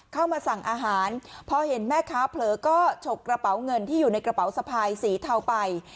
เข้ามาสั่งอาหารพอเห็นแม่ค้าเผลอก็ฉกกระเป๋าเงินที่อยู่ในกระเป๋าสะพายสีเทาไป